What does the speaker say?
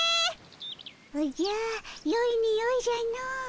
おじゃよいにおいじゃの。